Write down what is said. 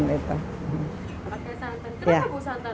pakai santan kenapa bu santan